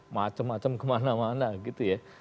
macem macem kemana mana gitu ya